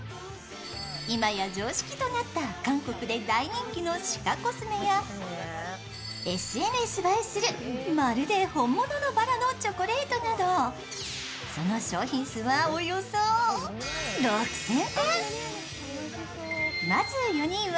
今や常識となった韓国で大人気のＣＩＣＡコスメやＳＮＳ映えするまるで本物のバラのチョコレートなど、その商品数はおよそ６０００点。